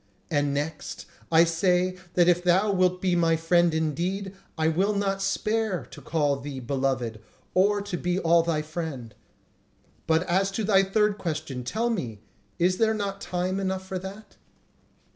And next, I say that if thou wilt be my friend indeed, I will not spare to call thee beloved, or to be all thy friend. But as to thy third question; tell me, is there not time enough for that?"